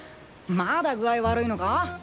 まだ具合悪いのか？